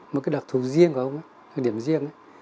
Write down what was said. một cái đặc thù riêng của ông ấy một cái điểm riêng ấy